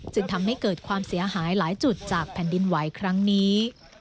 จึงทำให้เกิดความเสียหายหลายจุดจากแผ่นดินไหวครั้งนี้